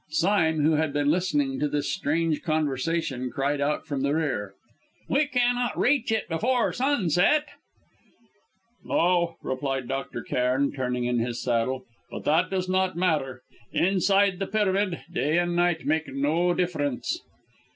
Sime, who had been listening to this strange conversation, cried out from the rear: "We cannot reach it before sunset!" "No," replied Dr. Cairn, turning in his saddle, "but that does not matter. Inside the pyramid, day and night make no difference."